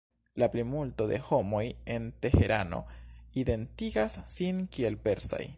La plimulto de homoj en Teherano identigas sin kiel persaj.